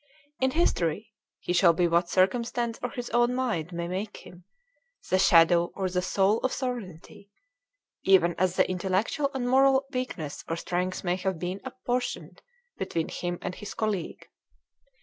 In history, he shall be what circumstance or his own mind may make him: the shadow or the soul of sovereignty, even as the intellectual and moral weakness or strength may have been apportioned between him and his colleague.